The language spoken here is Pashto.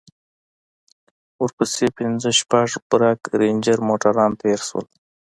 ورپسې پنځه شپږ برگ رېنجر موټران تېر سول.